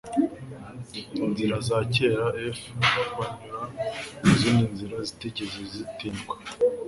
nzira za kera f banyura mu zindi nzira zitigeze zitindwa